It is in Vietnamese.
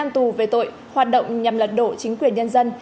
một mươi tù về tội hoạt động nhằm lật đổ chính quyền nhân dân